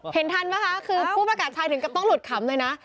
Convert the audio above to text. ทันไหมคะคือผู้ประกาศชายถึงกับต้องหลุดขำเลยนะ